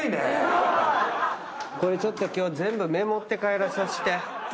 これちょっと今日全部メモって帰らさせて。